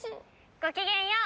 「ごきげんよう。